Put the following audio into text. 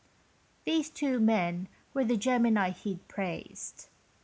These two men were the Gemini he'd praised.